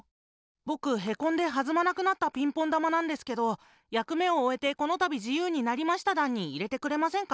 ぼくへこんではずまなくなったピンポン玉なんですけど「やくめをおえてこのたび自由になりました団」にいれてくれませんか？